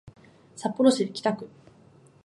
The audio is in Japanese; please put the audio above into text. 札幌市北区